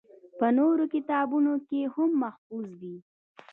پۀ نورو کتابونو کښې هم محفوظ دي